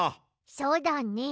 そうだね。